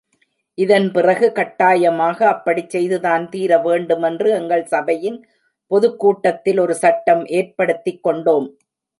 இதன் பிறகு கட்டாயமாய் அப்படிச் செய்துதான் தீர வேண்டுமென்று எங்கள் சபையின் பொதுக்கூட்டத்தில் ஒரு சட்டம் ஏற்படுத்திக் கொண்டோம்.